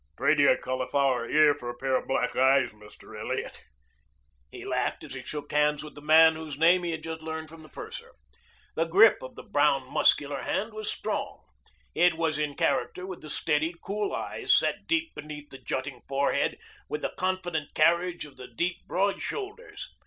"Trade you a cauliflower ear for a pair of black eyes, Mr. Elliot," he laughed as he shook hands with the man whose name he had just learned from the purser. The grip of his brown, muscular hand was strong. It was in character with the steady, cool eyes set deep beneath the jutting forehead, with the confident carriage of the deep, broad shoulders.